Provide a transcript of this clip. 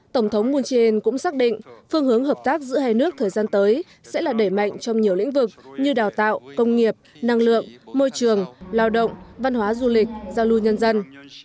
tổng thống moon jae in cũng xác định phương hướng hợp tác giữa hai nước thời gian tới sẽ là đẩy mạnh trong nhiều lĩnh vực như đào tạo công nghiệp năng lượng môi trường lao động văn hóa du lịch giao lưu nhân dân